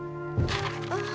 ああ。